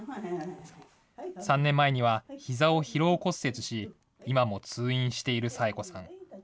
３年前には、ひざを疲労骨折し、今も通院している佐枝子さん。